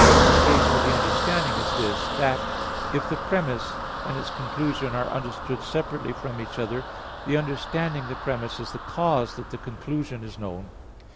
The case with the understanding is this: that if the premiss and its conclusion are understood separately from each other, the understanding the premiss is the cause that the conclusion is known.